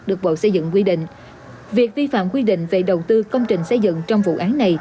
được bộ xây dựng quy định việc vi phạm quy định về đầu tư công trình xây dựng trong vụ án này